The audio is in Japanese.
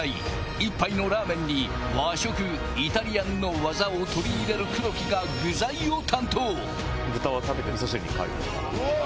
一杯のラーメンに和食・イタリアンの技を取り入れる黒木がうわ！